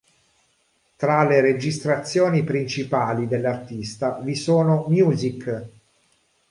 Tra le registrazioni principali dell'artista vi sono "Music!